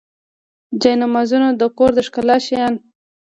جانمازونه د کور د ښکلا شیان.